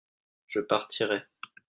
Je partirai.